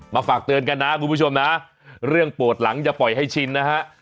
ฝากเตือนกันนะคุณผู้ชมนะเรื่องปวดหลังอย่าปล่อยให้ชินนะฮะ